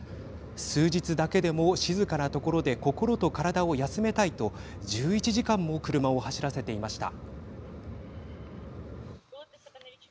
数日だけでも、静かなところで心と体を休めたいと１１時間も車を走らせていました。